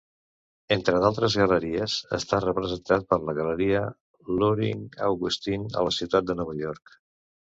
Entre d'altres galeries, està representat per la galeria Luhring Augustine a la ciutat de Nova York.